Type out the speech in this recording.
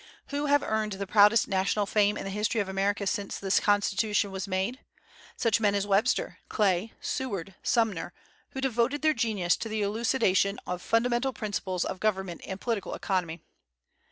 Who have earned the proudest national fame in the history of America since the Constitution was made? Such men as Webster, Clay, Seward, Sumner, who devoted their genius to the elucidation of fundamental principles of government and political economy.